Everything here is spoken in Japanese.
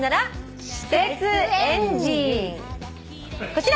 こちら！